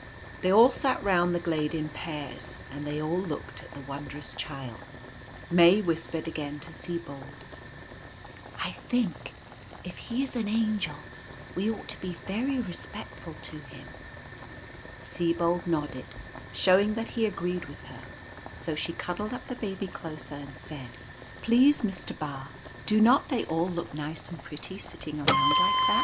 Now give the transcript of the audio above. They all sat round the glade in pairs, and they all looked at the Wondrous Child. May whispered again to Sibold :" 1 think if he is an Angel we ought to be very respectful to him." Sibold nodded, showing that he agreed with her ; so she cuddled up the Baby closer and said :" Please, Mister Ba, do not they all look nice and pretty sitting around like that ?